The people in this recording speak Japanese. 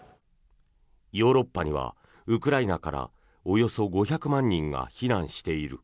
ヨーロッパにはウクライナからおよそ５００万人が避難している。